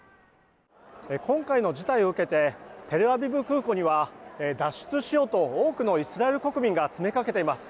今回の事態を受けてテルアビブ空港には脱出しようと多くのイスラエル国民が詰めかけています。